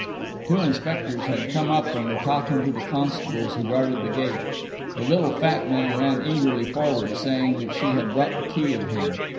Two inspectors had come up and were talking to the constables who guarded the gate. The little fat man ran eagerly forward, saying that she had bought the key of him.